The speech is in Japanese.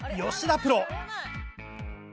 プロ。